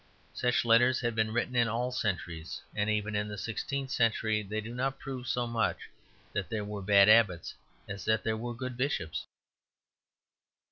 Such letters had been written in all centuries; and even in the sixteenth century they do not prove so much that there were bad abbots as that there were good bishops.